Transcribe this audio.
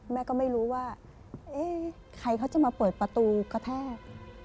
แม่ก็ไม่รู้ว่าเอ๊ะใครเขาจะมาเปิดประตูกระแทก